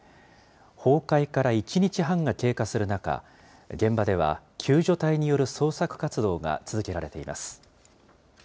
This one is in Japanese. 崩壊から１日半が経過する中、現場では救助隊による捜索活動が続けられています。